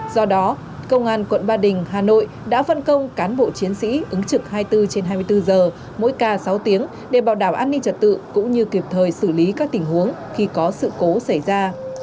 do đó công an quận ba đình hà nội đã phân công cán bộ chiến sĩ ứng trực hai mươi bốn trên hai mươi bốn giờ mỗi ca sáu tiếng để bảo đảm an ninh trật tự cũng như kịp thời xử lý các tình huống khi có sự cố xảy ra